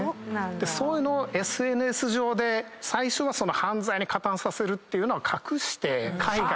そういうのをＳＮＳ上で最初は犯罪に加担させるっていうのは隠して。